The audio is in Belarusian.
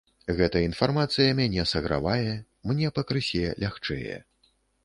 Гэта інфармацыя мяне сагравае, мне пакрысе лягчэе.